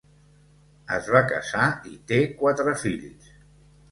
Es va casar i té quatre fills.